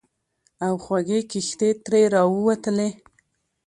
او خوږې کیښتې ترې راووتلې.